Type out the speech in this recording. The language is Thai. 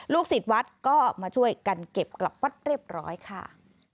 ศิษย์วัดก็มาช่วยกันเก็บกลับวัดเรียบร้อยค่ะ